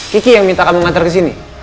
kiki yang minta kamu ngantar ke sini